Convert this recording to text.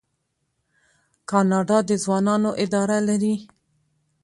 کاناډا د ځوانانو اداره لري.